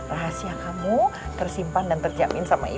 rahasia kamu tersimpan dan terjamin sama ibu